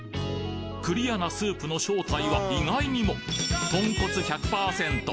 クリアなスープの正体は意外にも豚骨１００％